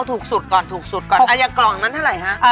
ถูกสุดถูกสุดก่อนกล่องอย่างกล่องนั้นเท่าไหร่ฮะ